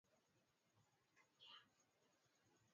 Kiwango cha maambukizi mara nyingi hutofautiana